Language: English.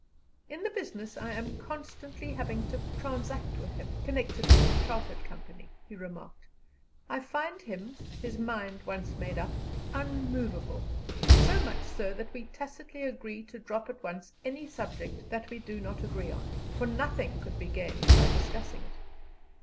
"In the business I am constantly having to transact with him, connected with the Chartered Company," he remarked, "I find him, his mind once made up, unmovable so much so that we tacitly agree to drop at once any subject that we do not agree on, for nothing could be gained by discussing it.